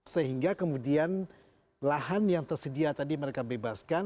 sehingga kemudian lahan yang tersedia tadi mereka bebaskan